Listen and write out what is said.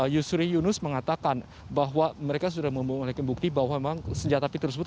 yusri yunus mengatakan bahwa mereka sudah memiliki bukti bahwa memang senjata api tersebut